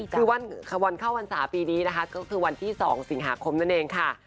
คือวันวันเข้าวันสาปีนี้คือวัน๒สิงหาคมนั่นเองค่ะ